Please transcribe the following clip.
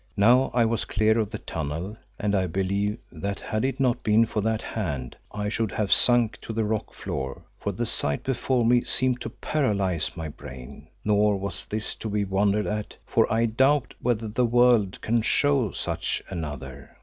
Now I was clear of the tunnel, and I believe that had it not been for that hand I should have sunk to the rocky floor, for the sight before me seemed to paralyse my brain. Nor was this to be wondered at, for I doubt whether the world can show such another.